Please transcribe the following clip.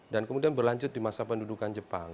dan kemudian berlanjut di masa pendudukan jepang